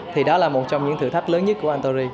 thì đó là một trong những thử thách lớn nhất của antory